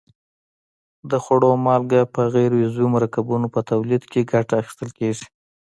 د خوړو مالګه په غیر عضوي مرکبونو په تولید کې ګټه اخیستل کیږي.